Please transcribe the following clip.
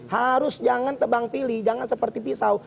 harus jangan tebang pilih jangan seperti pisau